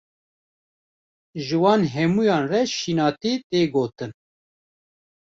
Ji wan hemûyan re şînatî tê gotin.